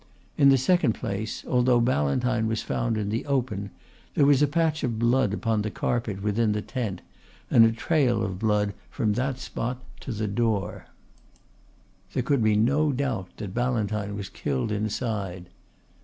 In the second place, although Ballantyne was found in the open, there was a patch of blood upon the carpet within the tent and a trail of blood from that spot to the door. There could be no doubt that Ballantyne was killed inside.